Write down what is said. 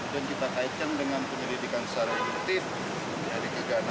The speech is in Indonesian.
dan kita kaitkan dengan penyelidikan secara elektif dari gegana